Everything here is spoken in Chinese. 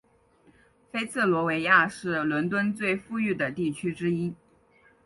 菲茨罗维亚是伦敦最富裕的地区之一。